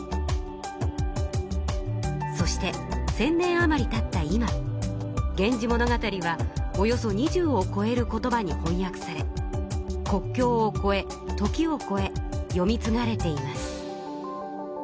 そして１，０００年余りたった今「源氏物語」はおよそ２０をこえる言葉にほんやくされ国境をこえ時をこえ読みつがれています。